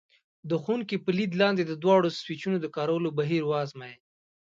د ښوونکي په لید لاندې د دواړو سویچونو د کارولو بهیر وازمایئ.